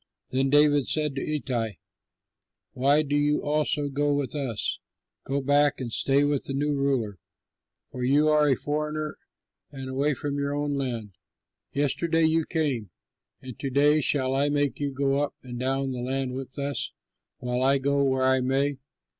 Then David said to Ittai, "Why do you also go with us? Go back and stay with the new ruler, for you are a foreigner and away from your own land. Yesterday you came, and to day shall I make you go up and down the land with us, while I go where I may?